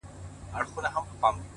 مثبت فکر د لارې خنډونه کمزوري کوي